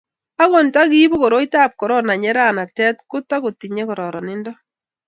akot nta kiibu koroitab korona nyeranatet ko tukutinyei kararanindo